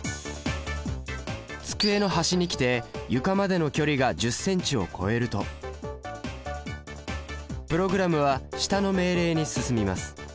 机の端に来て床までの距離が１０ｃｍを超えるとプログラムは下の命令に進みます。